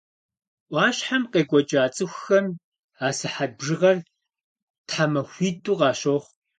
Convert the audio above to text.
Ӏуащхьэм къекӀуэкӀа цӀыхухэм а сыхьэт бжыгъэр тхьэмахуитӀу къащохъу.